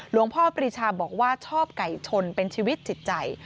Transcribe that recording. พ่อปรีชาบอกว่าชอบไก่ชนเป็นชีวิตจิตใจ